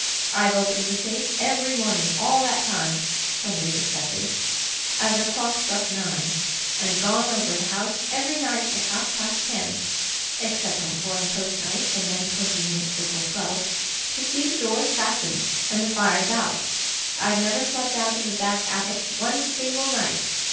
I've opened the safe every morning all that time (Sundays excepted) as the clock struck nine, and gone over the house every night at half past ten (except on Foreign Post nights, and then twenty minutes before twelve) to see the doors fastened, and the fires out. I've never slept out of the back attic one single night.